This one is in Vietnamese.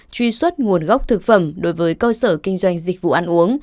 truy xuất nguồn gốc thực phẩm đối với cơ sở kinh doanh dịch vụ ăn uống